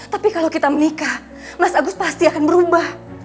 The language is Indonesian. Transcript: tapi kalau kita menikah mas agus pasti akan berubah